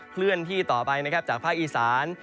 เคลื่อนที่ต่อไปนะครับจากภาคอีสาน